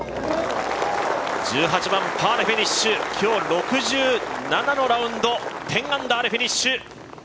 １８番パーでフィニッシュ今日６７のラウンド１０アンダーでフィニッシュ！